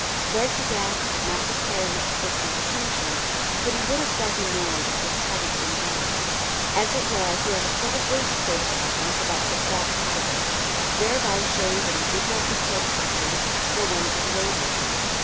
Lord De Guest did not require much personal attention, but he would have felt annoyed if this hadn't been done. As it was he had a civil word to say to Pawkins about the fat cattle, thereby showing that he did not mistake Pawkins for one of the waiters.